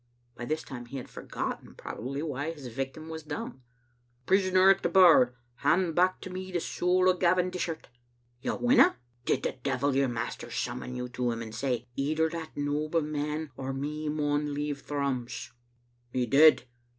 By this time he had forgotten probably why his vic tim was dumb. " Prisoner at the bar, hand back to me the soul o' Gavin Dishart. You winna? Did the devil, your mas ter, summon you to him and say, 'Either that noble man or me maun leave Thrums?' He did.